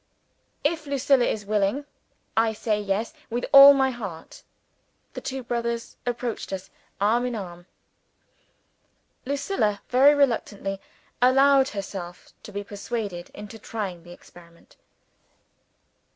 "If Lucilla is willing, I say Yes, with all my heart." The two brothers approached us, arm in arm. Lucilla, very reluctantly, allowed herself to be persuaded into trying the experiment.